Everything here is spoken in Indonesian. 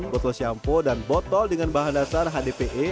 botol syampo dan botol dengan bahan dasar hdpe